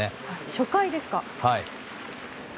初回ですか。